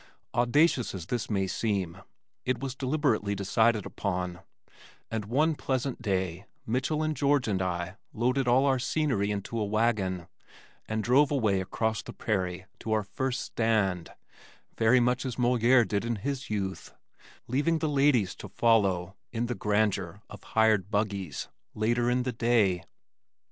Audacious as this may seem, it was deliberately decided upon, and one pleasant day Mitchell and George and I loaded all our scenery into a wagon and drove away across the prairie to our first "stand" very much as Molière did in his youth, leaving the ladies to follow (in the grandeur of hired buggies) later in the day.